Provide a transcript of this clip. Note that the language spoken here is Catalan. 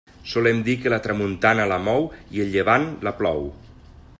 Solem dir que la tramuntana la mou i el llevant la plou.